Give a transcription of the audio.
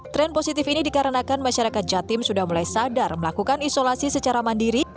tren positif ini dikarenakan masyarakat jatim sudah mulai sadar melakukan isolasi secara mandiri